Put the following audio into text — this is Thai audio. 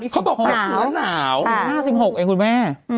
เขาบอกถือหนาว๕๖เองคุณแม่